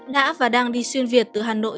đã và đang đi xuyên việt từ hà nội